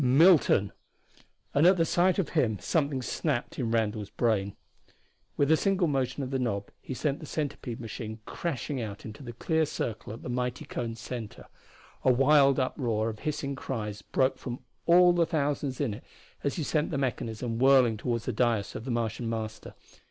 Milton! And at sight of him something snapped in Randall's brain. With a single motion of the knob he sent their centipede machine crashing out into the clear circle at the mighty cone's center. A wild uproar of hissing cries broke from all the thousands in it as he sent the mechanism whirling toward the dais of the Martian Master.